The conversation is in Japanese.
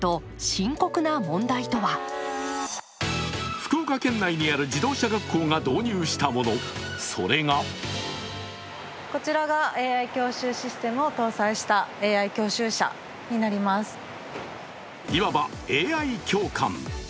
福岡県内にある自動車学校が導入したもの、それがいわばＡＩ教官。